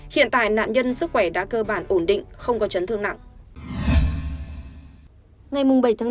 hiện tại nạn nhân sức khỏe đã cơ bản ổn định không có chấn thương nặng